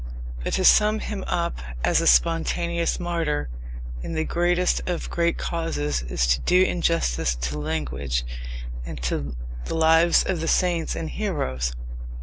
But to sum him up as a spontaneous martyr in the greatest of great causes is to do injustice to language and to the lives of the saints and heroes.